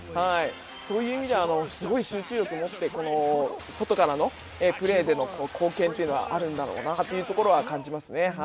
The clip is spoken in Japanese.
そういう意味では、すごい集中力を持って、外からのプレーでの貢献というのはあるんだろうなというのは感じますね。